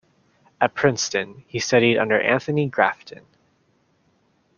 At Princeton, he studied under Anthony Grafton.